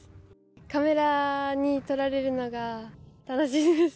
カメラに撮られるのが楽しみです。